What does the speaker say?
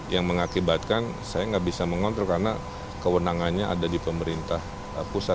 yang mengakibatkan saya nggak bisa mengontrol karena kewenangannya ada di pemerintah pusat